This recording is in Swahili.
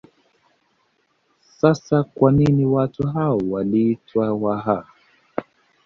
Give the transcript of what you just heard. Sasa kwa nini watu hao waliitwa Waha